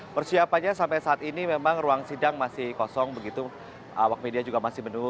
persiapannya sampai saat ini memang ruang sidang masih kosong begitu awak media juga masih menunggu